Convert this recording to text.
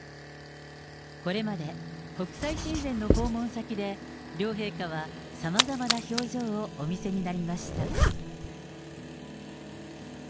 これまで国際親善の訪問先で、両陛下はさまざまな表情をお見せになりました。